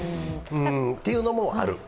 というのもある。